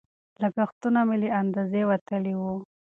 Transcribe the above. لګښتونه مې له اندازې وتلي وو.